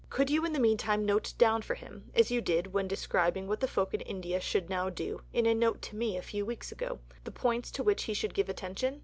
Could you in the meantime note down for him, as you did (when describing what the folk in India should now do) in a note to me a few weeks ago, the points to which he should give attention?